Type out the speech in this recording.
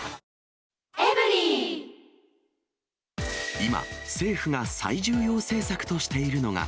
今、政府が最重要政策としているのが。